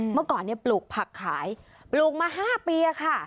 เมื่อก่อนปลูกผักขายปลูกมา๕ปีค่ะ